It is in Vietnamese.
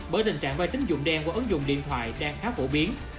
bởi tình trạng bay tính dụng đen qua ấn dụng điện thoại đang khá phổ biến